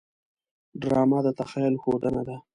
ډرامه د تخیل ښودنه ده